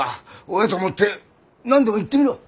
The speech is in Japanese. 親と思って何でも言ってみろ！